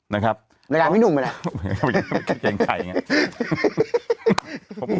นะครับหลายพัฒนาไม่นุ่มเลยแหละ